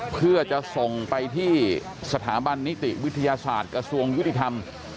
เพื่อจะส่งไปที่สถาบันนิติวิทยาศาสตร์กระทรวงยุติธรรม